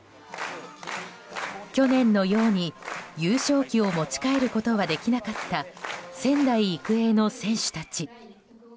去年のように優勝旗を持ち帰ることはできなかった仙台育英の選手たち。